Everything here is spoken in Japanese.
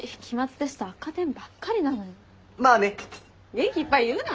元気いっぱい言うな。